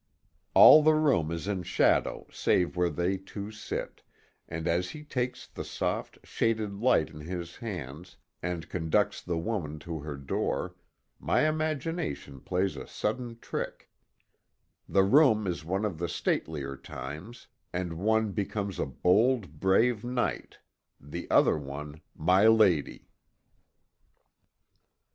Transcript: All the room is in shadow save where they two sit, and as he takes the soft, shaded light in his hands, and conducts the woman to her door, my imagination plays a sudden trick; the room is one of statelier times, and one becomes a "bold, brave knight," the other one, "my lady."